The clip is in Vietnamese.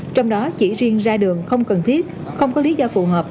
trong đó chỉ riêng ra đường không cần thiết không có lý do phù hợp